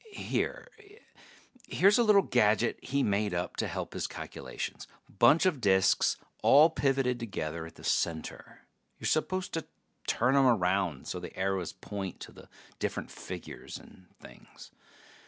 Here ... here's a little gadget he made up to help his calculations. Bunch of disks all pivoted together at the center; you're supposed to turn 'em around so the arrows point to the different figures and things.